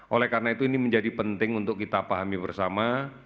oleh karena itu ini menjadi penting untuk kita pahami bersama